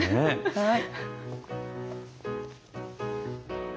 はい。